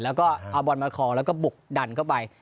เราก็เอาบอลมาคลองก็บุกดันเข้าไป